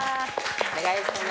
お願いします。